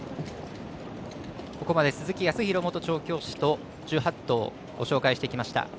ここまで鈴木康弘元調教師と１８頭をご紹介してきました。